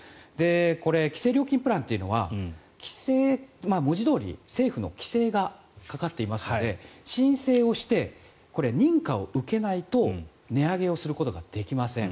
これ、規制料金プランというのは文字どおり、政府の規制がかかっていますので申請をして認可を受けないと値上げをすることができません。